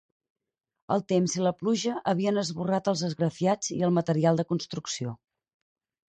El temps i la pluja havien esborrat els esgrafiats i el material de construcció.